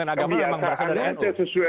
jangan sudah berjalan seperti itu